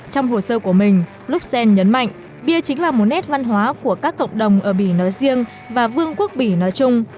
trong hồ sơ của mình luxem nhấn mạnh bia chính là một nét văn hóa của các cộng đồng ở bỉ nói riêng và vương quốc bỉ nói chung